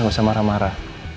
gak usah marah marah